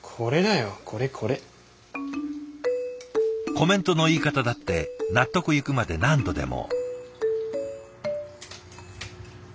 コメントの言い方だって納得いくまで何度でも。